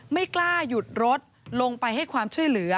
ไม่กล้าหยุดรถลงไปให้ความช่วยเหลือ